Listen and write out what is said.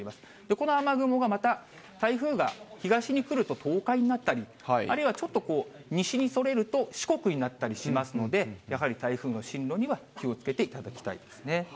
この雨雲がまた台風が東に来ると東海になったり、あるいはちょっと西にそれると四国になったりしますので、やはり台風の進路には気をつけていただきたいですね。